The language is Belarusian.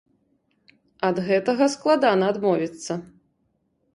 Ад гэтага складана адмовіцца.